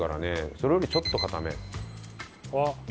それよりちょっと硬め。